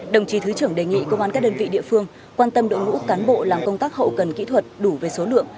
đồng chí thứ trưởng đề nghị công an các đơn vị địa phương quan tâm đội ngũ cán bộ làm công tác hậu cần kỹ thuật đủ về số lượng